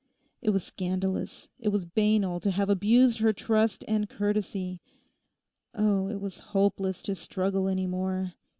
It was scandalous, it was banal to have abused her trust and courtesy. Oh, it was hopeless to struggle any more!